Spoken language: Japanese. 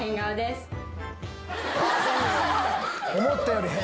思ったより変。